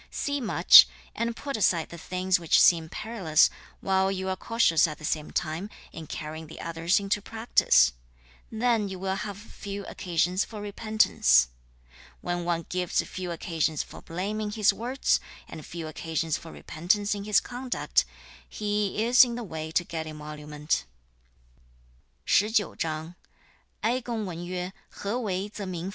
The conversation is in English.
See much and put aside the things which seem perilous, while you are cautious at the same time in carrying the others into practice: then you will have few occasions for repentance. When one gives few occasions for blame in his words, and few occasions for repentance in his conduct, he is in the way to get emolument.' [十九章]哀公聞曰/何為則民服.孔子對曰/舉直錯諸枉/則民服/舉枉 錯諸直/則民不服.